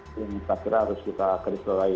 itu yang saya kira harus kita garis lolahi